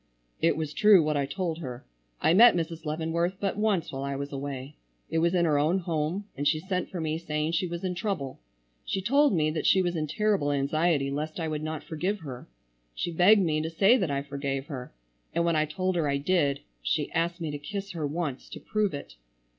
"It was true what I told her. I met Mrs. Leavenworth but once while I was away. It was in her own home and she sent for me saying she was in trouble. She told me that she was in terrible anxiety lest I would not forgive her. She begged me to say that I forgave her, and when I told her I did she asked me to kiss her once to prove it.